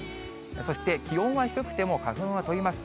そして気温は低くても花粉は飛びます。